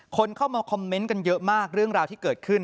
คนเข้ามาคอมเมนต์กันเยอะมากเรื่องราวที่เกิดขึ้น